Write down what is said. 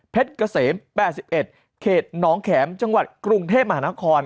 เกษม๘๑เขตน้องแข็มจังหวัดกรุงเทพมหานคร